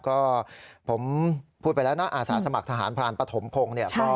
ก็ผมพูดไปแล้วนะอาสาสมัครทหารพรานปฐมพงศ์เนี่ย